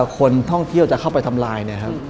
คนท่องเที่ยวจะเข้าไปทำลาย